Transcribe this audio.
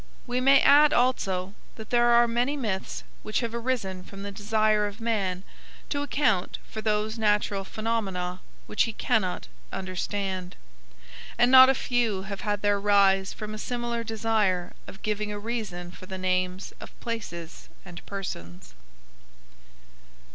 We may add also that there are many myths which have arisen from the desire of man to account for those natural phenomena which he cannot understand; and not a few have had their rise from a similar desire of giving a reason for the names of places and persons.